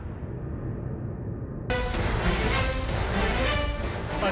สวัสดีครับ